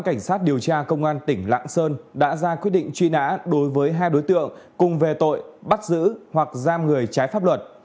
cảnh sát điều tra công an tỉnh lạng sơn đã ra quyết định truy nã đối với hai đối tượng cùng về tội bắt giữ hoặc giam người trái pháp luật